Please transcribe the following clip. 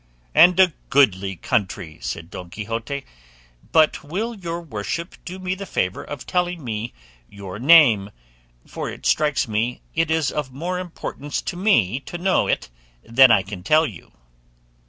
"And a goodly country," said Don Quixote; "but will your worship do me the favour of telling me your name, for it strikes me it is of more importance to me to know it than I can tell you."